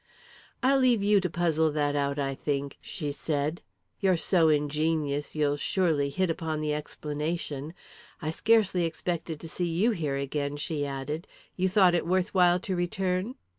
"I'll leave you to puzzle that out, I think," she said. "You're so ingenious, you'll surely hit upon the explanation. I scarcely expected to see you here again," she added. "You thought it worth while to return?"